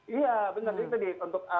iya benar itu dikutuk